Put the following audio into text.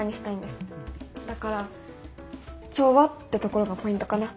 だから「調和」ってところがポイントかな。